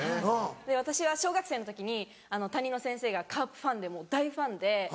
私は小学生の時に担任の先生がカープファンでもう大ファンで。